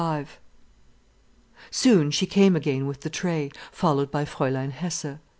V Soon she came again with the tray, followed by Fräulein Hesse.